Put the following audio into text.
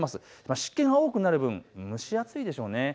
湿気が多くなる分、蒸し暑いでしょう。